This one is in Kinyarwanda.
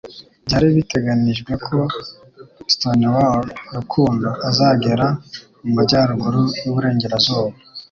Byari biteganijwe ko Stonewall Rukundo azagera mu majyaruguru y'uburengerazuba